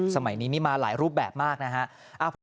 สมัยนี้นี่มาหลายรูปแบบมากนะครับ